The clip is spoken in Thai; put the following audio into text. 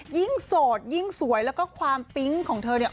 ยิ่งโสดยิ่งสวยแล้วก็ความปิ๊งของเธอเนี่ย